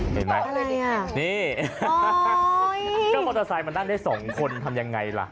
ก็มอเตอร์ไซค์มันได้๒คนทำยังไงล่ะ